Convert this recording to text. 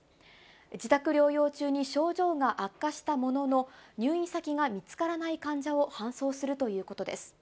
自宅療養中に症状が悪化したものの、入院先が見つからない患者を搬送するということです。